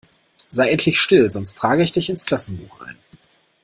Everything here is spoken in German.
Sei endlich still, sonst trage ich dich ins Klassenbuch ein!